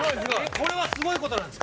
これはすごいことなんですか？